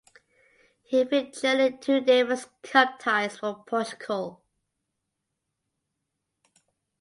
He featured in two Davis Cup ties for Portugal.